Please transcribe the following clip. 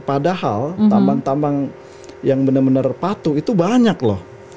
padahal tambang tambang yang benar benar patuh itu banyak loh